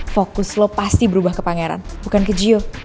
fokus lo pasti berubah ke pangeran bukan ke jiu